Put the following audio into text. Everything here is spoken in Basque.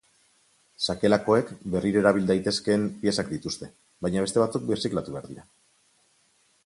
Sakelakoek berriro erabil daitezkeen piezak dituzte, baina beste batzuk birziklatu behar dira.